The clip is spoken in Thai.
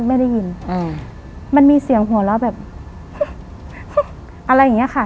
ไม่ได้ยินอืมมันมีเสียงหัวเราะแบบอะไรอย่างเงี้ยค่ะ